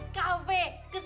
ke sini cepetan buruan